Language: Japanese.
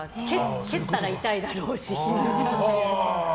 蹴ったら痛いだろうし。